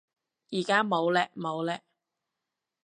而家冇嘞冇嘞